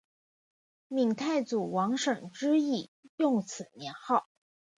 闽太祖王审知亦用此年号。